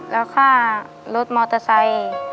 แล้วค่ารถมอเตอร์ไซค์